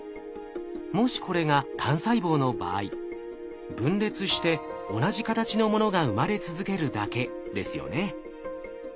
もしこれが単細胞の場合分裂して同じ形のものが生まれ続けるだけですよね。